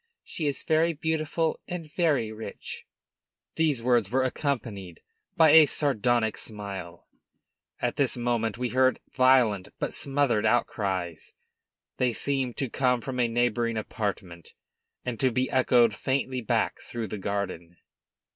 She is very beautiful and very rich." These words were accompanied by a sardonic smile. At this moment we heard violent, but smothered outcries; they seemed to come from a neighboring apartment and to be echoed faintly back through the garden.